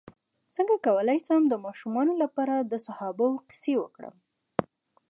څنګه کولی شم د ماشومانو لپاره د صحابه وو کیسې وکړم